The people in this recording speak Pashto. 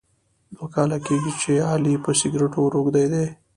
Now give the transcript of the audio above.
دوه کاله کېږي چې علي په سګرېټو روږدی دی.